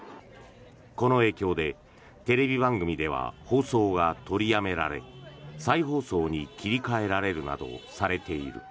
この影響で、テレビ番組では放送が取りやめられ再放送に切り替えられるなどされている。